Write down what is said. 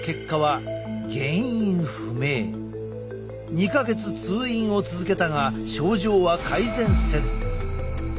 ２か月通院を続けたが症状は改善せず。